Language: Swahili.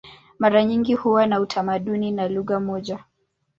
Mara nyingi huwa na utamaduni na lugha moja.